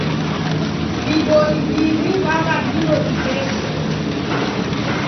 Vidoi viw'i vaw'adilo ikesho.